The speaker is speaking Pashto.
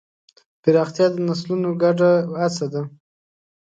پراختیا د نسلونو ګډه هڅه ده.